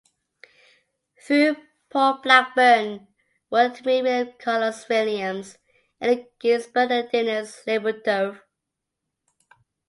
Through Paul Blackburn would meet William Carlos Williams, Allen Ginsberg, and Denise Levertov.